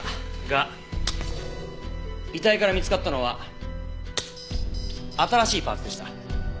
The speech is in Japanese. が遺体から見つかったのは新しいパーツでした。